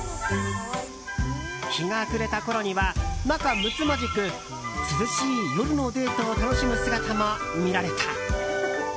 日が暮れたころには仲むつまじく涼しい夜のデートを楽しむ姿も見られた。